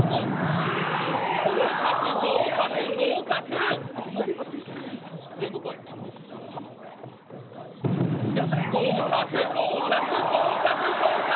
合格合格合格合格合格合格合格！